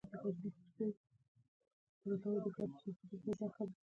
صبر د مؤمن زینت دی.